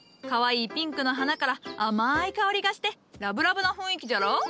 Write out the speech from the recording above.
かわいいピンクの花から甘い香りがしてラブラブな雰囲気じゃろ？